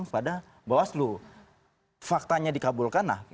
kepada bawaslu faktanya dikabulkan nah